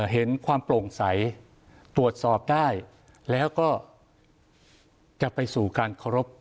เห็นความโปร่งใสตรวจสอบได้แล้วก็จะไปสู่การเคารพ